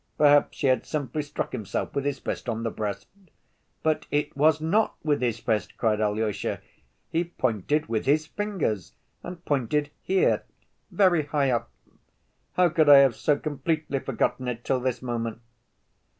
Perhaps he had simply struck himself with his fist on the breast?" "But it was not with his fist," cried Alyosha; "he pointed with his fingers and pointed here, very high up.... How could I have so completely forgotten it till this moment?"